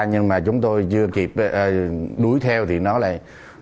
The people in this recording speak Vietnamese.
nhưng mà chúng tôi chưa kịp đuối theo thì nó lại